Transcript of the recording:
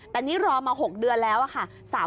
แต่นี่รอมา๖เดือนแล้วค่ะ